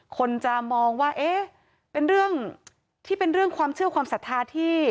คนจะมองว่าเอ๊ะเป็นเรื่องที่เป็นเรื่องความเชื่อความศรัทธาที่